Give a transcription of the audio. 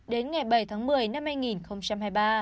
đến ngày bảy tháng một mươi năm hai nghìn hai mươi ba